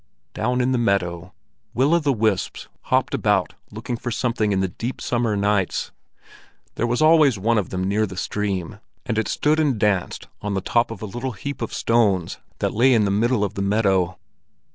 Down in the meadow, will o' the wisps hopped about looking for something in the deep summer nights. There was always one of them near the stream, and it stood and danced on the top of a little heap of stones that lay in the middle of the meadow.